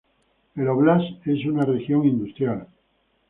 La óblast es una región industrial.